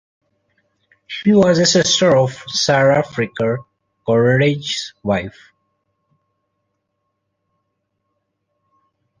She was a sister of Sara Fricker, Coleridge's wife.